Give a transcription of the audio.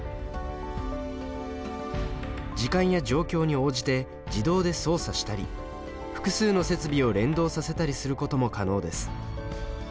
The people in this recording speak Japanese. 時間や状況に応じて自動で操作したり複数の設備を連動させたりすることも可能です。